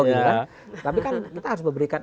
gitu kan tapi kan kita harus memberikan